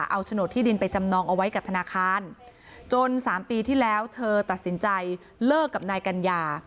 เอาโฉนดที่ดินไปจำนองเอาไว้กับธนาคารจน๓ปีที่แล้วเธอตัดสินใจเลิกกับนายกัญญา